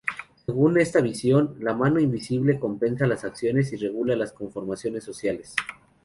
Según esta visión, la mano invisible compensa las acciones y regula las conformaciones sociales.